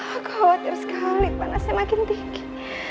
aku khawatir sekali panasnya makin tinggi